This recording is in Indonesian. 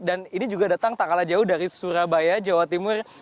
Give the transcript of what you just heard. dan ini juga datang tak kalah jauh dari surabaya jawa timur